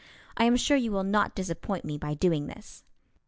I am sure you will not disappoint me by doing this.